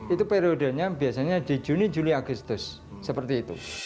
itu periodenya biasanya di juni juli agustus seperti itu